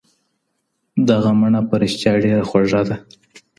دغه مڼه په رښتیا ډېره خوږه ده.